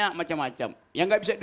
agak menyarankan dr